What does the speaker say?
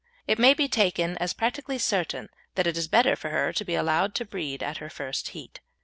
It may be taken as practically certain that it is better for her to be allowed to breed at her first heat.